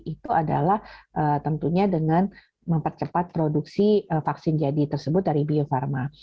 itu adalah tentunya dengan mempercepat produksi vaksin jadi tersebut dari bio farma